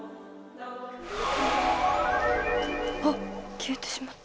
消えてしまった。